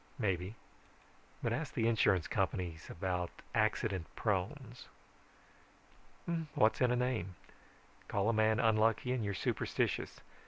Maybe; but ask the insurance companies about accident prones. What's in a name? Call a man unlucky and you're superstitious.